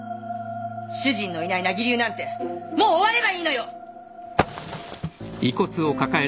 主人のいない名木流なんてもう終わればいいのよ！